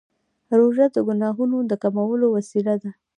روژه د ګناهونو د کمولو وسیله ده.